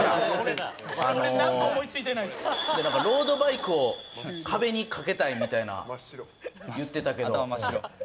あのなんかロードバイクを壁に掛けたいみたいな言ってたけど。